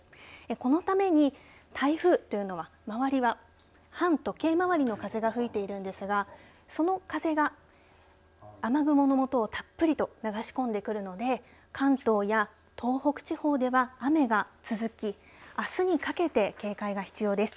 このために台風というのは周りは反時計回りの風が吹いているんですがその風が雨雲のもとをたっぷりと流し込んでくるので関東や東北地方では雨が続きあすにかけて警戒が必要です。